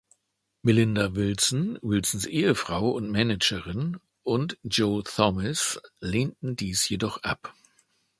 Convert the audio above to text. Melinda Wilson, Wilsons Ehefrau und Managerin, und Joe Thomas lehnten dies jedoch ab.